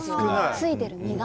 ついている実が。